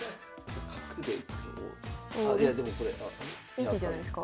いい手じゃないすか？